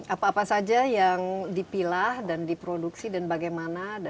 apa apa saja yang dipilah dan diproduksi dan bagaimana